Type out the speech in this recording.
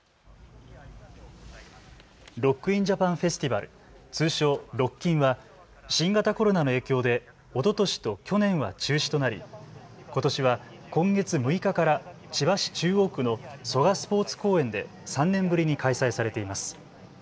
ロック・イン・ジャパン・フェスティバル通称ロッキンは新型コロナの影響でおととしと去年は中止となりことしは今月６日から千葉市中央区の蘇我スポーツ公園で３年ぶりに開催されています。